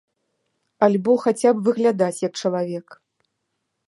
Альбо хаця б выглядаць, як чалавек.